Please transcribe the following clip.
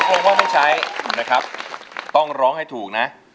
คงว่าไม่ใช้นะครับต้องร้องให้ถูกนะ